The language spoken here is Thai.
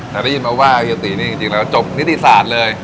แล้วรีบฟังว่าอี๋ตี้จบนิติศาสตร์เลย